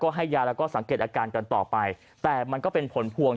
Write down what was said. ให้ยาแล้วก็สังเกตอาการกันต่อไปแต่มันก็เป็นผลพวง